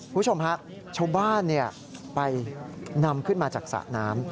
คุณผู้ชมฮะชาวบ้านไปนำขึ้นมาจากสระน้ำ